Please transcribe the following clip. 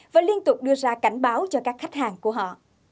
và liên tục đưa ra cảnh báo cho các khách hàng của họ